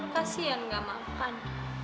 kasian gak makan